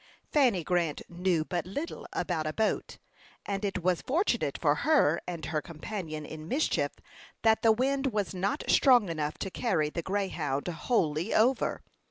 Fanny Grant knew but little about a boat, and it was fortunate for her and her companion in mischief that the wind was not strong enough to carry the Greyhound wholly over.